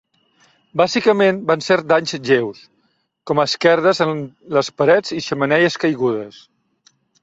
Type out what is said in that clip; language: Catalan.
Bàsicament van ser danys lleus, com a esquerdes en les parets i xemeneies caigudes.